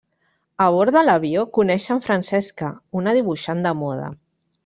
A bord de l'avió, coneixen Francesca, una dibuixant de moda.